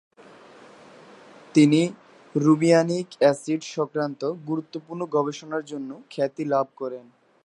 তিনি রুবিয়ানিক অ্যাসিড সংক্রান্ত গুরুত্বপূর্ণ গবেষণার জন্য খ্যাতি লাভ করেন।